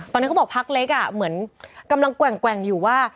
ตอนนี้เขาบอกพักเล็กเหมือนกำลังแกว่งอยู่ว่า